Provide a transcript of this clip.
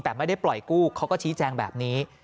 แต่ไม่ได้ปล่อยกู้เขาก็ชี้แจงแบบนี้